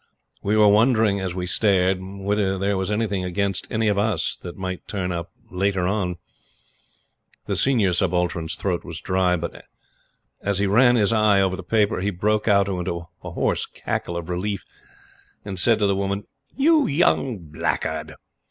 We were wondering as we stared, whether there was anything against any one of us that might turn up later on. The Senior Subaltern's throat was dry; but, as he ran his eye over the paper, he broke out into a hoarse cackle of relief, and said to the woman: "You young blackguard!"